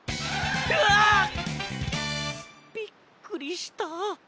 うわ！びっくりした。